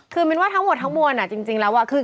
คุณก็ต้องไปสอบแข่งขัน